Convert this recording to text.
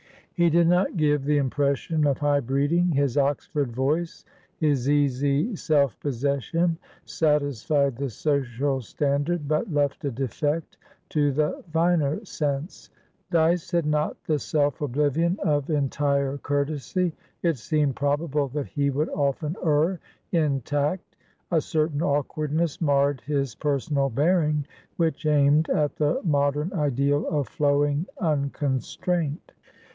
He did not give the impression of high breeding. His Oxford voice, his easy self possession, satisfied the social standard, but left a defect to the finer sense. Dyce had not the self oblivion of entire courtesy; it seemed probable that he would often err in tact; a certain awkwardness marred his personal bearing, which aimed at the modern ideal of flowing unconstraint.